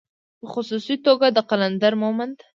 په خصوصي توګه د قلندر مومند